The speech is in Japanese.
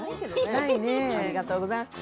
雑、ありがとうございます。